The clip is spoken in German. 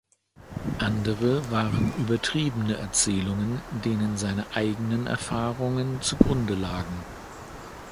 Andere waren übertriebene Erzählungen, denen seine eigenen Erfahrungen zu Grunde lagen.